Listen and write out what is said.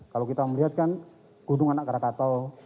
kalau kita melihat kan gunung anak krakatau